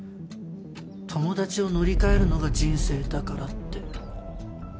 友達を乗り換えるのが人生だからって。